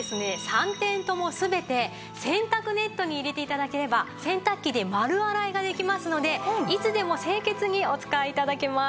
３点とも全て洗濯ネットに入れて頂ければ洗濯機で丸洗いができますのでいつでも清潔にお使い頂けます。